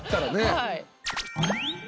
はい。